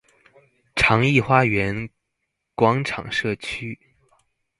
長億花園廣場社區